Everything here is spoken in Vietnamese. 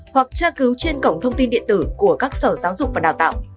hoặc tra cứu trên cổng thông tin điện tử của các sở giáo dục và đào tạo